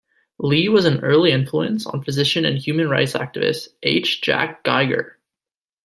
Lee was an early influence on physician and human rights activist H. Jack Geiger.